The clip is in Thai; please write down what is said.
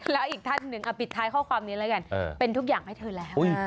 แล้วอีกท่านหนึ่งปิดท้ายข้อความเหลืออะไรกัน